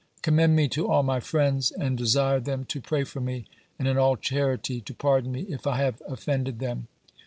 Commend me to all my friends, and desire them to pray for me, and in all charitie to pardon me, if I have offended them.